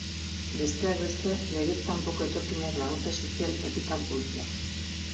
Besteak beste, legez kanpoko etorkinak laguntza sozialetatik kanpo uztea.